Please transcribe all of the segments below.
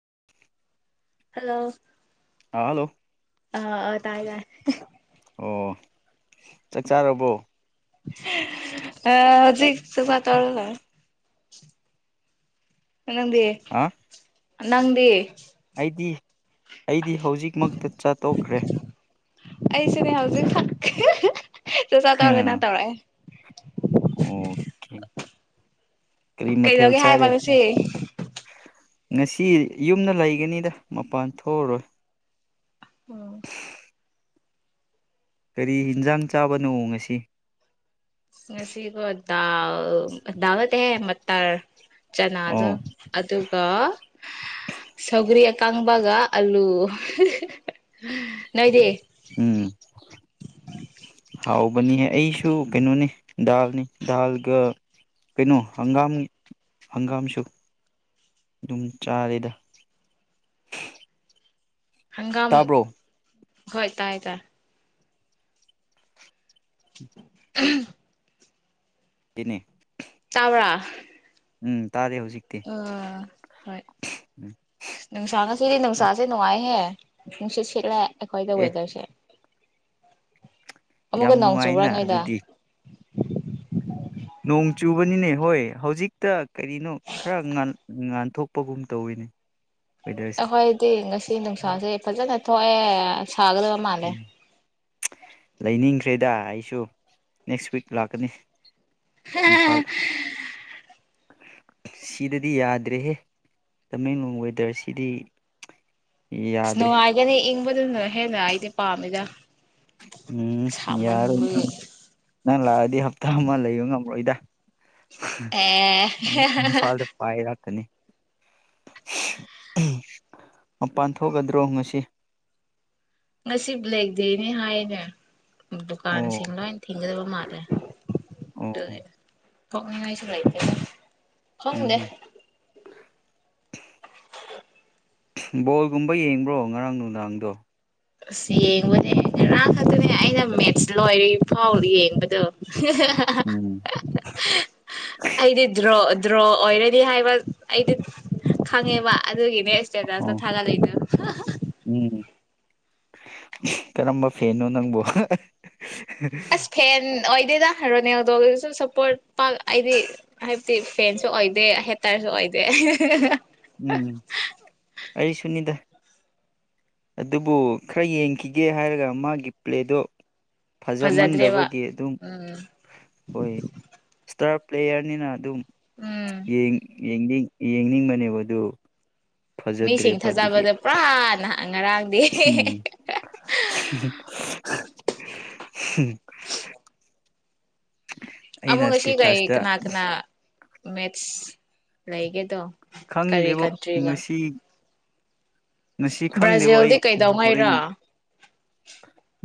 [inaudible] hello ꯑꯥ hello ꯑ ꯑ ꯇꯥꯏ ꯇꯥꯏ ꯑꯣ ꯆꯥꯛ ꯆꯥꯔꯕꯣ ꯑ ꯖꯤ ꯆꯆꯥ ꯇꯧꯔ ꯂ ꯅꯪꯗꯤ ꯑ ꯅꯪꯗꯤ ꯑꯩꯗꯤ ꯑꯩꯗꯤ ꯍꯧꯖꯤꯛꯃꯛꯇ ꯆꯥ ꯇꯣꯛꯈ꯭ꯔꯦ ꯑꯩꯁꯨꯅꯦ ꯍꯧꯖꯤꯛ ꯈꯛ ꯆ ꯆꯥ ꯇꫭꯛ ꯒꯅ ꯇꯧꯔꯑꯦ ꯑꯣꯀꯦ ꯀꯔꯤ ꯃꯊꯦꯜ ꯀꯩꯗꯧꯒꯦ ꯍꯥꯏꯕ ꯆꯥꯔꯦ ꯉꯁꯤ ꯉꯁꯤ ꯌꯨꯝꯗ ꯂꯩꯒꯅꯤꯗ ꯃꯄꯥꯟ ꯊꯣꯛꯑꯔꯣꯏ ꯎꯝ [inaudible] ꯀꯔꯤ ꯍꯤꯟꯖꯥꯡ ꯆꯥꯕꯅꯣꯡꯉꯁꯤ ꯉꯁꯤꯒꯣꯗꯎ ꯋꯥꯇꯦ ꯃ ꯇꯔ ꯆꯅꯥꯗꯣ ꯑꯣ ꯑꯗꯨꯒ ꯁꯧꯒꯔꯤ ꯀꯥꯡꯪꯕꯒ ꯑꯜꯂꯨ ꯅꯣꯏꯗꯤ ꯎꯝ ꯍꯥꯎꯕꯅꯤꯍꯦ ꯑꯩꯁꯨ ꯀꯩꯅꯣꯅꯤ ꯗꯥꯜꯅꯤ ꯗꯥꯜꯒ ꯀꯩꯅꯣ ꯍꯪꯒꯥꯝ ꯍꯪꯒꯥꯝꯁꯨ ꯑꯗꯨꯝ ꯆꯥꯔꯦꯗ ꯍꯪꯒꯥꯝ ꯇꯥꯕ꯭ꯔꯣ ꯍꯣꯏ ꯇꯥꯏ ꯇꯥꯏ [inaudible] ꯏꯅꯦ ꯆꯥꯎꯕ꯭ꯔꯥ ꯎꯝ ꯇꯥꯔꯦ ꯍꯧꯖꯤꯛꯇꯤ ꯑꯥ ꯍꯣꯏ ꯎꯝ ꯅꯨꯡꯁꯥ ꯉꯁꯤꯗꯤ ꯑꯦ ꯅꯨꯡꯁꯥꯁꯦ ꯅꯨꯡꯉꯥꯏꯍꯦ ꯁꯤꯁꯤꯂ ꯑꯩꯈꯣꯏꯗ ꯋꯦꯗꯔꯁꯦ ꯌꯥꯝ ꯑꯃꯨꯛꯀ ꯅꯣꯡ ꯆꯧꯕ꯭ꯔꯥ ꯅꯨꯡꯉꯥꯏꯅ ꯅꯣꯏꯗ ꯑꯗꯨꯗꯤ ꯅꯣꯡ ꯆꯨꯕꯅꯤꯅꯦ ꯍꯣꯏ ꯍꯧꯖꯤꯛꯇ ꯀꯔꯤꯅꯣ ꯈꯔ ꯉꯥꯟꯊꯣꯛꯄꯒꯨꯝ ꯇꯧꯋꯤꯅꯦ ꯋꯦꯗꯔꯁꯦ ꯑꯩꯈꯣꯏꯗꯤ ꯉꯁꯤ ꯅꯨꯡꯁꯥꯁꯦ ꯐꯖꯅ ꯊꯣꯛꯑꯦ ꯁꯥꯒꯗꯕ ꯃꯥꯅꯦꯦ ꯎꯝ ꯂꯩꯅꯤꯡꯈ꯭ꯔꯦꯗ ꯑꯩꯁꯨ ꯅꯦꯛꯁ ꯋꯤꯛ ꯂꯥꯛꯀꯅꯤ ꯏꯝꯐꯥꯜ ꯑ ꯁꯤꯗꯗꯤ ꯌꯥꯗ꯭ꯔꯦꯍꯦ ꯇꯃꯦꯡꯂꯣꯡ ꯋꯦꯗꯔꯁꯤꯗꯤ ꯁꯅꯣ ꯌꯥꯗ꯭ꯔꯦ ꯍꯥꯏꯦꯅꯤꯅꯦ ꯏ ꯃ ꯑꯗꯨꯅ ꯍꯦꯟꯅ ꯑꯩꯗꯤ ꯄꯥꯝꯃꯤꯗ ꯎꯝ ꯌꯥꯔꯣꯏ ꯁꯥꯃꯟꯕꯒꯤ ꯅꯪ ꯅꯪ ꯂꯥꯛꯑꯗꯤ ꯍꯞꯇꯥ ꯑꯃ ꯂꯩꯕ ꯉꯝꯃꯣꯏꯗ ꯑꯦ ꯅꯤ ꯃꯄꯥꯟ ꯊꯣꯛꯒꯗ꯭ꯔꯣ ꯉꯁꯤ ꯉꯁꯤꯕꯨ ꯂꯩꯇꯦꯅꯦ ꯍꯥꯏꯅꯦ ꯑꯣ ꯗꯨꯀꯥꯟꯁꯤꯡ ꯂꯣ ꯊꯤꯡꯒꯗ ꯃꯥꯅꯦꯦ ꯑꯣ ꯊꯣꯛꯣꯛꯅꯤꯡꯉꯥꯏꯁꯨꯥꯏꯇꯦ ꯎꯝ ꯍꯪꯗꯦ ꯎꯝ ꯕꯣꯜꯒꯨꯝꯕ ꯌꯦꯡꯕ꯭ꯔꯣ ꯉꯔꯥꯡ ꯅꯨꯅꯨꯡꯗꯥꯡꯗꯣ ꯑꯁ ꯌꯦꯡꯕꯅꯦ ꯉꯔꯥꯡ ꯈꯛꯇꯅꯦ ꯑꯩꯅ ꯃꯦꯠꯁ ꯂꯣꯏꯔꯤ ꯐꯥꯎ ꯌꯦꯡꯕꯗꯣ ꯎꯝ ꯑꯩꯗꯤ ꯗ꯭ꯔꯣ ꯗ꯭ꯔꯣ ꯑꯣꯏꯔꯦ ꯍꯥꯏꯕ ꯑꯩꯗꯤ ꯈꯪꯉꯦꯕ ꯑꯗꯨꯒꯤ ꯅꯁ ꯑ ꯑꯣ ꯊꯥꯂ ꯂꯩꯗ ꯎꯝ ꯀꯔꯝꯕ ꯐꯦꯅꯣ ꯅꯪꯕꯣ ꯑꯁ ꯐꯦꯦꯟ ꯑꯣꯏꯗꯦꯗ ꯔꯣꯅꯦꯜꯗꯣꯒꯤꯁꯨ ꯁꯞꯄꯣꯔꯠ ꯄꯥꯛ ꯑꯩꯗꯤ ꯍꯥꯏꯕꯗꯤ ꯐꯦꯟꯁꯨ ꯑꯣꯏꯗꯦ ꯍꯦꯇꯔꯁꯨ ꯑꯣꯏꯗꯦ ꯎꯝ ꯑꯩ ꯁꯨꯅꯤꯗ ꯑꯗꯨꯕꯨ ꯈꯔ ꯌꯦꯡꯈꯤꯒꯦ ꯍꯥꯏꯔꯒ ꯃꯥꯒꯤ ꯄ꯭ꯂꯦꯗꯣ ꯐꯖꯗ꯭ꯔꯦꯕ ꯐꯖꯃꯟꯗꯕꯒꯤ ꯑꯗꯨꯝ ꯎꯝ ꯑꯣꯏ ꯏꯁꯇꯔꯞ ꯄ꯭ꯂꯦꯌꯔꯅꯤꯅ ꯑꯗꯨꯝ ꯎꯝ ꯌꯦꯡ ꯌꯦꯡꯅꯤꯡ ꯌꯦꯡꯅꯤꯡꯕꯅꯦꯕ ꯑꯗꯨꯣ ꯃꯤꯁꯤꯡ ꯊꯥꯖꯕꯗ ꯄꯨꯔꯥ ꯅꯍ ꯉꯔꯥꯡꯗꯤ ꯎꯝ ꯑꯃꯨꯛ ꯉꯁꯤ ꯀꯩ ꯀꯅꯥ ꯀꯅꯥ ꯃꯦꯠꯁ ꯂꯩꯒꯦ ꯇꯣ ꯈꯪꯗꯦꯕ ꯉꯁꯤ ꯉꯁꯤ ꯈꯪꯗꯦꯕ ꯑꯩ ꯕ꯭ꯔꯥꯖꯤꯜꯗꯤ ꯀꯩꯗꯧꯉꯩꯔꯣ ꯍꯣꯔꯦꯟꯅꯤ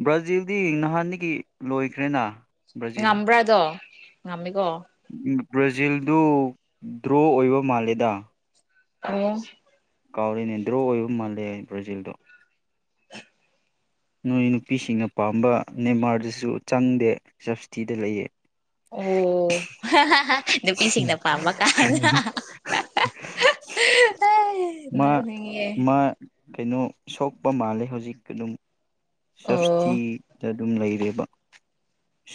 ꯕ꯭ꯔꯥꯖꯤꯜ ꯗꯤ ꯅꯍꯥꯟꯗꯒꯤ ꯂꯣꯏꯈ꯭ꯔꯦꯅ ꯕ꯭ꯔꯥꯖꯤꯜ ꯉꯝꯕ꯭ꯔꯥꯗꯣ ꯑꯃꯤ [unintelligible] ꯕ꯭ꯔꯥꯖꯤꯜꯗꯨ ꯗ꯭ꯔꯣ ꯑꯣꯏꯕ ꯃꯥꯜꯂꯦꯗ ꯎꯝ ꯀꯥꯎꯔꯅꯦ ꯗ꯭ꯔꯣ ꯑꯣꯏꯕ ꯃꯥꯜꯂꯦ ꯕ꯭ꯔꯥꯖꯤꯜꯗꯣ ꯅꯣꯏ ꯅꯨꯄꯤꯁꯤꯡꯅ ꯄꯥꯝꯕ ꯃꯦꯟꯃꯥꯔꯗꯁꯨ ꯆꯪꯗꯦ ꯁꯞꯕꯁꯤꯇꯤꯗ ꯂꯩꯌꯦ ꯑꯣ ꯅꯨꯄꯤꯁꯤꯡꯅ ꯄꯥꯝꯕ ꯀꯥꯏꯅ ꯃꯥ ꯅꯣꯛꯅꯤꯡꯉꯦ ꯃꯥ ꯀꯩꯅꯣ ꯁꯣꯛꯄ ꯃꯥꯜꯂꯦ ꯍꯧꯖꯤꯛ ꯑꯗꯨꯝ ꯁꯁꯤ ꯑꯣ ꯑꯗꯨꯝ ꯂꯩꯔꯦꯕ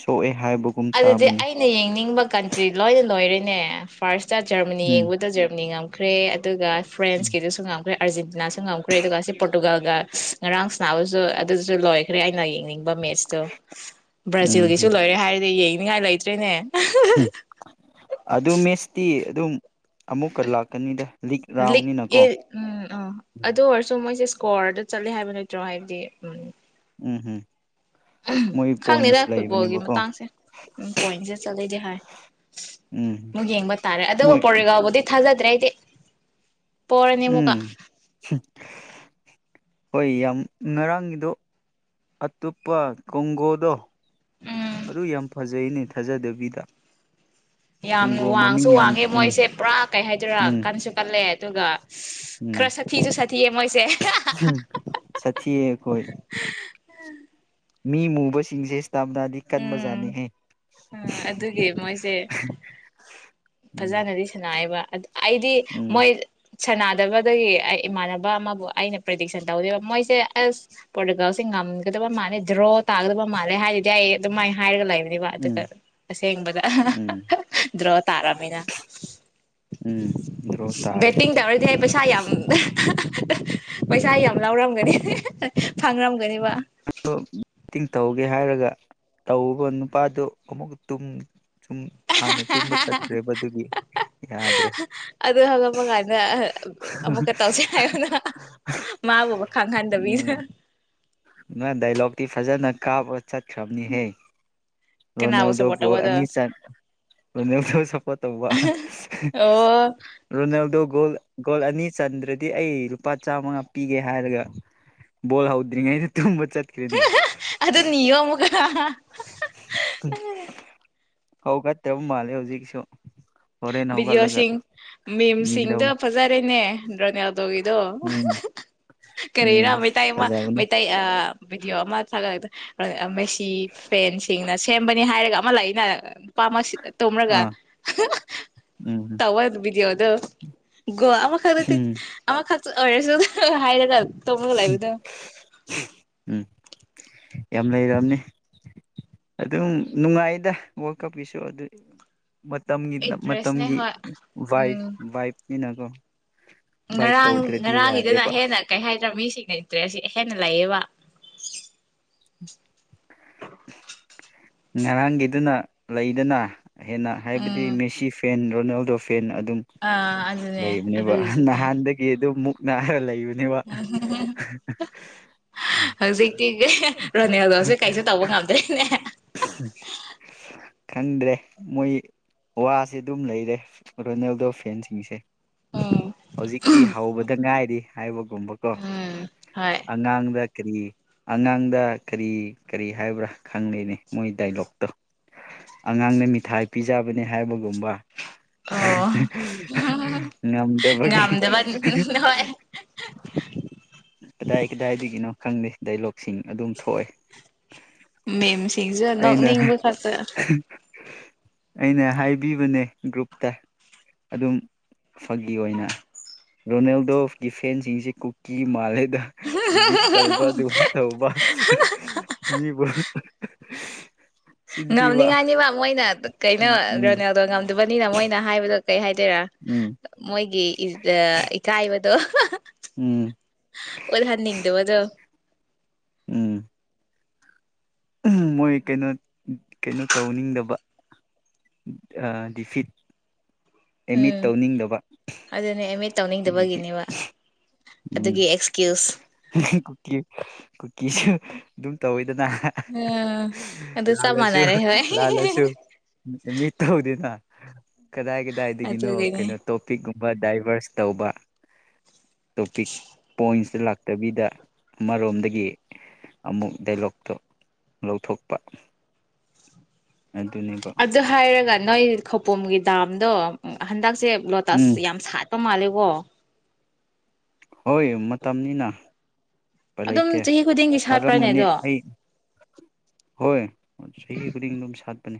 ꯁꯣꯛꯑꯦ ꯍꯥꯏꯕꯒꯨꯝ ꯑꯗꯨꯗꯤ ꯇꯥꯕꯅꯦ ꯑꯩꯅ ꯌꯦꯡꯅꯤꯡꯕ ꯀꯟꯇ꯭ꯔꯤ ꯂꯣꯏꯅ ꯂꯣꯏꯔꯦ ꯅꯦ ꯐꯥꯔꯁꯇ ꯖꯔꯃꯅꯤ ꯎꯝ ꯌꯦꯡꯕꯗ ꯖꯔꯃꯅꯤ ꯉ ꯈ꯭ꯔꯦ ꯑꯗꯨꯒ ꯎꯝ ꯐ꯭ꯔꯦꯟꯁꯀꯤꯁꯨ ꯉꯝꯈ꯭ꯔꯦ ꯑꯔꯖꯦꯟꯇꯅꯥꯁꯨ ꯉꯝꯈ꯭ꯔꯦ ꯑꯗꯨꯒ ꯁꯤ ꯄꯣꯔꯇꯨꯒꯜ ꯑꯗꯨꯒ ꯉꯔꯥꯡ ꯁꯕꯁꯨ ꯑꯗꯨꯁꯨ ꯂꯣꯏꯈ꯭ꯔꯦ ꯑꯩꯅ ꯌꯦꯡꯅꯤꯡꯉ ꯁꯤ ꯌꯦꯡꯅꯤꯡꯉꯥꯏ ꯂꯩꯇ꯭ꯔꯦꯅꯦ ꯑꯗꯨꯗ ꯃꯦꯁꯇꯤ ꯑꯗꯨ ꯑꯗꯨꯝ ꯑꯃꯨꯛꯀ ꯂꯥꯛꯀꯅꯤꯗ ꯂꯤꯛ ꯔꯥꯎꯟꯅꯤꯅꯀꯣ ꯎꯝ ꯎꯝ ꯑꯗꯨ ꯑꯣꯏꯔꯁꯨ ꯃꯣꯏꯁꯦ ꯏꯁꯀꯣꯔꯗ ꯆꯠꯂꯤꯦ ꯍꯥꯏꯕ ꯅꯠꯇ꯭ꯔꯣ ꯍꯥꯏꯕꯗꯤ ꯎꯝ ꯎꯝ ꯎꯝ ꯎ ꯃꯣꯏ ꯈꯪꯅꯤꯦꯗ ꯄꯣꯏꯟꯁ ꯐꯨꯠꯕꯣꯜꯒꯤ ꯂꯩꯕꯅꯦꯕꯀꯣ ꯃꯇꯥꯡꯁꯦ ꯎ ꯄꯣꯏꯟꯁꯦ ꯆꯠꯂꯗꯤ ꯍꯥꯏ ꯎꯝ ꯑꯃꯨꯛ ꯌꯦꯡꯕ ꯇꯥꯔꯦ ꯑꯗꯨꯒ ꯃꯣꯏ ꯄꯣꯔꯦꯒꯥꯎꯕꯨꯗꯤ ꯊꯥꯖꯗꯦ ꯑꯗꯨ꯭ꯔꯥꯏꯦ ꯎꯝ ꯍꯣꯏ ꯌꯥꯝ ꯉꯔꯥꯡꯒꯤꯗꯣ ꯑꯇꯣꯞꯄ ꯀꯣꯡꯒꯣꯗꯣ ꯎꯝ ꯑꯗꯨ ꯌꯥꯝ ꯐꯖꯩꯅꯦ ꯊꯥꯖꯗꯕꯤꯗ ꯌꯥꯝꯅ ꯀꯣꯡꯒꯣ ꯋꯥꯡꯁꯨ ꯃꯃꯤꯡ ꯌꯥꯝ ꯋꯥꯡꯉꯦ ꯎꯝ ꯃꯣꯏꯁꯦ ꯄꯨꯔꯥ ꯀꯩ ꯍꯥꯏꯗꯣꯏꯔꯥ ꯎꯝ ꯀꯟꯁꯨ ꯀꯜꯂꯦ ꯑꯗꯨꯒ ꯎꯝ ꯈꯔ ꯁꯥꯊꯤꯁꯨ ꯁꯥꯊꯤꯌꯦ ꯃꯣꯏꯁꯦ ꯎꯝ ꯁꯥꯊꯤꯌꯦ ꯑꯩꯈꯣꯏ ꯃꯤ ꯃꯨꯕꯁꯤꯡꯁꯦ ꯇꯝ ꯇꯥꯗꯤ ꯎꯝ ꯀꯟꯕꯖꯥꯠꯅꯤꯍꯦ ꯑꯗꯨꯒꯤ ꯎꯝ ꯐꯖꯅꯔꯤꯁꯤꯅ ꯇꯥꯏꯕ ꯑꯗꯨ ꯑꯩꯗꯤ ꯎꯝ ꯃꯣꯏ ꯁꯥꯟꯅꯗꯕꯗꯒꯤ ꯑꯩ ꯏꯃꯥꯟꯅꯕ ꯑꯃꯕꯨ ꯑꯩꯅ ꯄ꯭ꯔꯔꯤꯗꯤꯛꯁꯟ ꯇꯧꯗꯦꯕ ꯃꯣꯏꯁꯦ ꯑꯁ ꯄ꯭ꯔꯣꯇꯤꯀꯣꯜꯁꯦ ꯉꯝꯒꯗꯕ ꯃꯥꯜꯂꯦ ꯗ꯭ꯔꯣ ꯇꯥꯒꯗꯕ ꯃꯥꯜꯂꯦ ꯍꯥꯏꯔꯗꯤ ꯑꯩ ꯑꯗꯨꯃꯥꯏꯅ ꯍꯥꯏꯔꯒ ꯂꯩ ꯎꯝ ꯎꯝ ꯖ ꯗ ꯅ ꯎꯝ ꯗ꯭ꯔꯣ ꯇꯥꯔꯦ ꯕꯦꯠꯇꯤꯡ ꯇꯧꯔꯗꯤ ꯍꯥꯏ ꯄꯩꯁꯥ ꯌꯥꯝ ꯄꯩꯁꯥ ꯌꯥꯝ ꯂꯧꯔꯝꯒꯅꯤ ꯐꯪꯔꯝꯒꯅꯦꯕ ꯃꯤꯇꯤꯡ ꯇꯧꯒꯦ ꯍꯥꯏꯔꯒ ꯇꯧꯕ ꯅꯨꯄꯥꯗꯨ ꯑꯃꯨꯛ ꯇꯨꯝ ꯁꯨꯝ ꯍꯥꯟꯅ ꯇꯨꯝꯕ ꯆꯠꯈ꯭ꯔꯦꯕ ꯑꯗꯨꯒꯤ ꯌꯥꯗ꯭ꯔꯦ ꯑꯗꯨ ꯍꯉꯛꯄ ꯀꯥꯟꯗ ꯑꯃꯨꯛꯀ ꯇꯧꯁꯦ ꯍꯥꯏꯌꯅ ꯃꯥꯕꯨꯕ ꯈꯪꯍꯟꯗꯕꯤꯗ ꯅ ꯗꯗꯥꯏꯂꯣꯒꯗꯤ ꯐꯖꯥꯅ ꯀꯥ ꯆꯠꯈ꯭ꯔꯕꯅꯤꯍꯦ ꯀꯅꯥꯕꯨ ꯔꯣꯅꯦꯜꯗꯣ ꯁꯞꯄꯣꯔꯠ ꯒꯣꯜ ꯇꯧꯕꯗꯣ ꯑꯅꯤ ꯔꯣꯅꯦꯜꯗꯣ ꯁꯞꯄꯣꯔꯠ ꯇꯧꯕ ꯑꯣ ꯔꯣꯅꯦꯜꯗꯣ ꯒꯣꯜ ꯒꯣꯜ ꯑꯅꯤ ꯆꯟꯗ꯭ꯔꯗꯤ ꯑꯩ ꯂꯨꯄꯥ ꯆꯥꯝꯃꯉꯥ ꯄꯤꯒꯦ ꯍꯥꯏꯔꯒ ꯕꯣꯜ ꯍꯧꯗ꯭ꯔꯤꯉꯩꯗ ꯇ ꯑꯗꯨ ꯅ ꯃꯨꯒ ꯎ ꯍꯧꯒ ꯇꯦꯕ ꯃꯥꯂꯦ ꯍꯧꯖꯤꯛꯁꯨ ꯍꯣꯔꯦꯟ ꯍꯧꯒꯠꯂꯒ ꯕꯤꯗꯤꯑꯣꯁꯤꯡ ꯅꯤꯒꯗꯧꯅꯤ ꯃꯤꯝꯁꯤꯡꯗ ꯐꯖꯔꯦꯅꯦ ꯗ꯭ꯔꯣꯅꯦꯜ ꯒꯤꯗꯣ ꯎꯝ ꯀꯔꯤꯔ ꯎꯝ ꯃꯩꯇꯩ ꯑꯃ ꯐꯖꯕꯅꯦ ꯃꯩꯇꯩ ꯕꯤꯗꯗꯤꯣ ꯃ ꯆ ꯃꯁꯤ ꯐꯦꯟꯁꯤꯡꯅ ꯁꯦꯝꯕꯅꯤ ꯍꯥꯏꯔꯒ ꯑꯃ ꯂꯏꯅ ꯄꯥꯝꯃꯁꯤ ꯇꯣꯔꯒ ꯎꯝꯝ ꯎꯗꯣ ꯣ ꯑꯃ ꯈꯔꯗꯤ ꯎꯝ ꯈ ꯔꯁꯨ ꯍꯥꯏꯔꯀ ꯇꯃ ꯂꯥꯏꯕꯤꯗ ꯎꯝ ꯌꯥꯝ ꯂꯩꯝꯅꯤ ꯑꯗꯨꯝ ꯅꯨꯡꯉꯥꯏꯗ ꯋꯥꯔꯜ ꯀꯞꯀꯤꯁꯨ ꯑꯗꯨ ꯃꯇꯝꯒꯤ ꯏꯟꯇꯔꯦꯁꯅꯦ ꯃꯇꯝꯒꯤ ꯍꯣꯏ ꯎꯝ ꯋꯥꯏꯐ ꯋꯥꯏꯐꯅꯤꯅꯀꯣ ꯉꯔꯥꯡ ꯉꯔꯥꯡꯒꯤꯗꯅ ꯌꯥꯗꯦꯕ ꯍꯦꯟꯅ ꯀꯩ ꯍꯥꯏꯗ꯭ꯔ ꯃꯤꯁꯤꯡ ꯂꯩꯇ꯭ꯔꯦ ꯁꯤ ꯍꯦꯟꯅ ꯂꯩꯌꯦꯕ [unintelligible] ꯉꯔꯥꯡꯒꯤꯗꯨꯅ ꯂꯩꯗꯅ ꯍꯦꯟꯅ ꯍꯥꯏꯕꯗꯤ ꯎꯝ ꯃꯦꯁꯤ ꯐꯦꯟ ꯔꯣꯅꯥꯜꯗꯣ ꯐꯦꯟ ꯑꯗꯨꯝ ꯑꯥ ꯑꯗꯨꯅꯦ ꯂꯩꯕꯅꯦꯕ ꯑꯗꯨꯒꯤꯁꯨꯅꯦ ꯅꯍꯥꯟꯗꯒꯤ ꯑꯗꯨꯝ ꯅꯔ ꯂꯩ ꯎꯝ ꯍꯧꯖꯤꯛꯇꯤ ꯔꯣꯅꯦꯜꯗꯣꯁꯦ ꯀꯩꯁꯨ ꯇꯧꯕ ꯉꯝꯗꯣꯏꯅꯦ ꯈꯪꯗ꯭ꯔꯦ ꯃꯣꯏ ꯋꯥꯁꯦ ꯑꯗꯨꯝ ꯂꯩꯔꯦ ꯔꯣꯅꯦꯜꯗꯣ ꯐꯦꯟꯁꯤꯡꯁꯦ ꯎꯝ ꯍꯧꯖꯤꯛꯇꯤ ꯍꯥꯎꯧꯕꯗ ꯉꯥꯏꯔꯤ ꯍꯥꯏꯕ ꯨꯝꯕꯀꯣ ꯎꯝ ꯍꯣꯏ ꯑꯉꯥꯡꯗ ꯀꯔꯤ ꯑꯉꯥꯡꯗ ꯀꯔꯤ ꯀꯔꯤ ꯍꯥꯏꯕ꯭ꯔꯥ ꯈꯪꯅꯩꯅꯤ ꯃꯣꯏ ꯗꯥꯏꯂꯣꯛꯇꯣ ꯑꯉꯥꯡꯅ ꯃꯤꯊꯥꯏ ꯄꯤꯖꯕꯅꯦ ꯍꯥꯏꯕꯒꯨꯝꯕ ꯎ ꯑꯣ ꯎꯝ ꯅꯝꯗꯕꯒꯤ ꯉꯝꯗꯕ ꯍꯣꯏ ꯀꯗꯥꯏ ꯀꯗꯥꯏꯗꯒꯤꯅꯣ ꯈꯪꯗꯦ ꯗꯥꯏꯂꯣꯛꯁꯤꯡ ꯑꯗꯨꯝ ꯊꯣꯛꯑꯦ ꯃꯦꯝꯦꯝꯁꯤꯡꯁꯨ ꯑꯩꯅ ꯅꯣꯛꯅꯤꯡꯕ ꯈꯇ ꯑꯩꯅ ꯍꯥꯏꯕꯤꯕꯅꯦ ꯒ꯭ꯔꯨꯞꯨꯞꯇ ꯑꯗꯨꯝ ꯐꯥꯒꯤ ꯑꯣꯏꯅ ꯔꯣꯅꯦꯜꯗꯣꯒꯤ ꯐꯦꯟꯁꯤꯡꯁꯤ ꯀꯨꯀꯤ ꯀꯤ ꯃꯥꯜꯂꯦꯗ ꯏꯗꯤꯠ ꯇꯧꯕ ꯑꯗꯨꯨꯝ ꯇꯧꯕ ꯃꯤꯕꯨ ꯆꯤꯟꯊꯤꯕ ꯉꯝꯅꯤꯉꯥꯏꯅꯤꯕ ꯃꯣꯏꯅ ꯀꯩꯅꯣ ꯎꯝ ꯒ꯭ꯔꯦꯅꯦꯜꯗꯣ ꯉꯝꯗꯕꯅꯤꯅ ꯃꯣꯏꯅ ꯍꯥꯏꯕꯗꯣ ꯀꯩ ꯍꯥꯏꯗꯣꯏꯔꯥ ꯎꯝ ꯃꯣꯏꯒꯤ ꯏ ꯏ ꯑꯗꯨꯣ ꯎꯝ ꯑꯣꯗ ꯍꯅꯅꯤꯡꯗꯦꯕ ꯑꯗꯨꯣ ꯎꯝ ꯃꯣꯏ ꯀꯩꯅꯣ ꯀꯩꯅꯣ ꯇꯧꯅꯤꯡꯗꯕ ꯗꯤꯐꯤꯠ ꯑꯦꯃꯤꯠ ꯎꯝ ꯇꯧꯅꯤꯡꯗꯕ ꯑꯗꯨꯅꯦ ꯑꯦꯝ ꯑꯦꯗ ꯑꯗꯒꯤ ꯇꯧꯅꯤꯡꯗꯕꯒꯤꯅꯦꯕ ꯎꯝ ꯑꯗꯨꯒꯤ ꯑꯦꯛꯁꯀ꯭ꯌꯨꯁ ꯀꯨꯀꯤ ꯀꯨꯀꯤꯁꯨ ꯑꯗꯨꯝ ꯇꯧꯋꯦ ꯑꯗꯨꯅ ꯎꯝ ꯑꯗꯨ ꯆꯞ ꯂꯥꯜꯂꯁꯨ ꯃꯥꯟꯅꯔꯦ ꯍꯣꯏ ꯂꯥꯜꯂꯁꯨ ꯃꯤ ꯇꯧꯗꯦꯅ ꯎꯝ ꯀꯗꯥꯏ ꯀꯗꯥꯏꯗꯒꯤꯅꯣ ꯀꯩꯅꯣ ꯑꯗꯨꯒꯤꯅꯦ ꯇꯣꯄꯤꯛꯨꯝꯕ ꯕ ꯗꯥꯏꯚꯔꯁ ꯇꯧꯕ ꯇꯣ ꯄꯛ ꯄꯣꯏꯟꯁ ꯇꯥꯛ ꯇꯕꯤꯗ ꯑꯃꯔꯣꯝꯗꯒꯤ ꯑꯃꯨꯛ ꯗꯥꯏꯂꯣꯛꯇꯣ ꯂꯧꯊꯣꯛꯄ ꯑꯗꯨꯅꯦꯕ ꯑꯗꯨ ꯍꯥꯏꯔꯒ ꯅꯣꯏ ꯈꯄꯣꯝꯒꯦꯗꯗꯥ ꯗꯣ ꯍꯟ ꯁꯦ ꯎꯝ ꯂꯣꯇꯥꯁ ꯌꯥꯝ ꯁꯥꯠꯦ ꯃꯇ ꯃꯥꯂꯦꯕꯣ ꯍꯣꯏ ꯃꯇꯝꯅꯤꯅ ꯂꯩꯇꯦ ꯑꯗꯨꯝ ꯆꯍꯤ ꯈꯨꯗꯤꯡꯒꯤ ꯁꯥꯠꯄ꯭ꯔꯅꯦ ꯁꯥꯠꯂꯝꯒꯅꯤ ꯑꯗꯣ ꯑꯩ ꯍꯣꯏ ꯆꯍꯤ ꯈꯨꯗꯤꯡ ꯑꯗꯨꯝ ꯁꯥꯠꯄꯅꯦ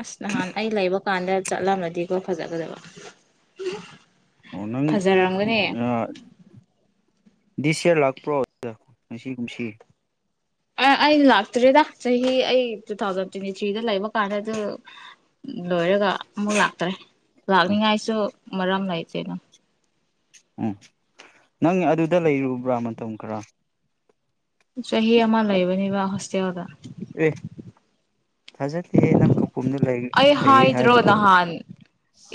ꯑꯁ ꯅꯍꯥꯟ ꯑꯩ ꯂꯩꯕ ꯀꯥꯟꯗ ꯆꯠꯂꯝꯃꯗꯤꯀꯣ ꯐꯖꯒꯖꯕ ꯑꯅꯪ ꯗꯤꯁ ꯏꯌꯥꯔ ꯂꯥꯛꯄ꯭ꯔꯣ ꯉꯁꯤꯒꯨꯝꯁꯤ ꯑ ꯑꯩ ꯂꯥꯛꯇ꯭ꯔꯦꯗ ꯆꯍꯤ ꯑꯩ ꯇꯨ ꯊꯥꯎꯖꯟ ꯇ꯭ꯋꯦꯟꯇꯤ ꯊ꯭ꯔꯤꯗ ꯂꯩꯕ ꯀꯥꯟꯗ ꯑꯗꯨ ꯂꯣꯏꯔꯒ ꯑꯃꯨꯛ ꯂꯥꯛꯇ꯭ꯔꯦ ꯎꯝ ꯂꯥꯛꯅꯤꯡꯉꯥꯏꯁꯨ ꯃꯔꯝ ꯂꯥꯏꯇꯦꯅ ꯎꯝ ꯅꯪ ꯑꯗꯨꯗ ꯂꯩꯔꯨꯕ꯭ꯔꯥ ꯃꯇꯝ ꯈꯔ ꯆꯍꯤ ꯑꯃ ꯂꯩꯕꯅꯦꯕ ꯍꯁꯇ ꯋꯥꯗ ꯑꯦ ꯊꯖꯗꯤꯦꯍꯦ ꯅꯪꯈ ꯑꯩ ꯍꯥꯏꯗ꯭ꯔꯣ ꯅꯍꯥꯟ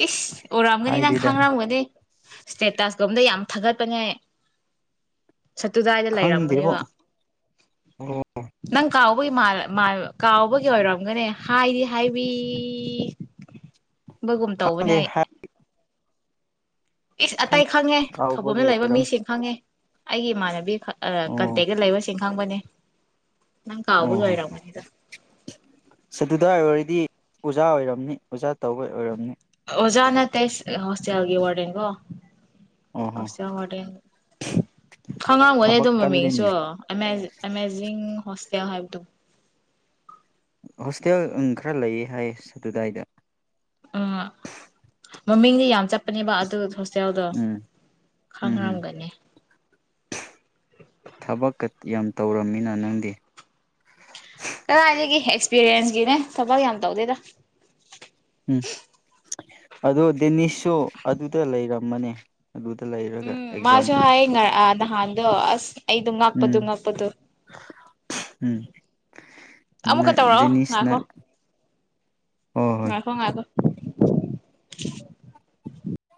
ꯏꯁ ꯑꯣꯏꯔꯝꯒꯅꯤ ꯅꯪ ꯍꯥꯏꯗꯦꯗ ꯈꯥꯡꯉ꯭ꯔꯥꯝꯒꯅꯦ ꯏꯁꯇꯦꯇꯁꯀꯨꯝꯕꯗ ꯌꯥꯝ ꯊꯥꯒꯠꯄꯅꯦ ꯁꯠꯇꯨꯗꯥꯏꯗ ꯈꯪꯗꯦꯕꯣ ꯂꯩꯔꯝꯕꯅꯦꯕ ꯑꯣ ꯅꯪ ꯀꯥꯎ ꯀꯥꯎꯕꯒꯤ ꯑꯣꯏꯔꯝꯒꯅꯤ ꯍꯥꯏꯗꯤ ꯍꯥꯏ ꯃꯤ ꯕꯣꯏꯒꯨꯝ ꯇꯧꯕꯅꯦ ꯈꯪꯗꯦ ꯑꯩ ꯏꯁ ꯑꯇꯩ ꯈꯪ ꯈꯪꯉꯦ ꯊꯧꯕꯜꯝꯗ ꯀꯥꯎꯕꯒꯤ ꯂꯩꯕ ꯑꯣꯏꯔꯝ ꯃꯤꯁꯤꯡ ꯈꯪꯉꯦ ꯑꯩꯒꯤ ꯏꯃꯥꯟꯅꯕꯤ ꯈ ꯑ ꯑꯣ ꯀꯟꯇꯦꯛꯒ ꯂꯩꯕꯁꯤꯡ ꯈꯥꯡꯕꯅꯦ ꯑꯣ ꯍꯣ ꯁ ꯑꯗꯨꯗ ꯑꯣꯏꯔꯗꯤ ꯑꯣꯖꯥ ꯑꯣꯏꯔꯝꯅꯤ ꯑꯣꯖꯥ ꯇꯧꯕ ꯑꯣꯏꯔꯝꯅꯤ ꯑꯣꯖꯥꯅ ꯇꯇꯩꯁ ꯍꯣꯁꯇꯦꯦꯜꯒꯤ ꯋꯥꯔꯗꯅꯤꯡꯒꯣ ꯑꯣ ꯍꯣ ꯦꯜ ꯍꯣꯇꯦꯜ ꯈꯪꯔꯝꯒꯅꯦ ꯊꯕꯛ ꯑꯗꯨꯝ ꯀꯜꯂꯤꯅꯦ ꯃꯃꯤꯡꯁꯨꯖꯤꯡ ꯀꯌꯥ ꯍꯥꯏꯕꯗ ꯍꯣꯁꯇꯦꯜ ꯈꯔ ꯂꯩꯌꯦ ꯍꯥꯏ ꯑꯗꯨꯗꯥꯏꯗ ꯎꯝ ꯃꯃꯤꯡꯗꯤ ꯌꯥꯝ ꯆꯞꯄ ꯄꯅꯤꯕ ꯑꯗꯨ ꯍꯣꯁꯇꯦꯜꯗꯣ ꯎꯝ ꯈꯪꯔꯝꯒꯅꯤ ꯊꯕꯛ ꯌꯥꯝ ꯇꯧꯔꯝꯃꯤꯅ ꯅꯪꯗꯤ ꯀꯗꯥꯥꯏꯗꯒꯤꯒꯦ ꯑꯦꯛꯁꯄꯤꯔꯤꯌꯦꯟꯁꯀꯤꯅꯦ ꯊꯕꯛ ꯌꯥꯝ ꯇꯧꯗꯦꯗ ꯎꯝ ꯑꯣ ꯗꯦꯅꯤꯁꯁꯨ ꯑꯗꯨꯗ ꯂꯩꯔꯝꯃꯅꯤ ꯑꯗꯨꯗ ꯂꯩꯔꯒ ꯎꯝ ꯑꯦꯛꯖꯥꯝ ꯃꯥꯁꯨ ꯍꯥꯏ ꯉ ꯅꯍꯥꯟꯗꯣ ꯑꯁ ꯑꯩꯗꯣ ꯉꯥꯛꯄꯗꯨ ꯎꯝ ꯉꯥꯛꯄꯗꯨ ꯎꯝ ꯑꯃꯨꯛꯀ ꯇꯧꯔꯛꯑꯣ ꯗꯦꯅꯤꯁꯅ ꯉꯥꯛꯈꯣ ꯍꯣꯏ ꯍꯣꯏ ꯑ ꯍꯣꯡꯉꯒꯣ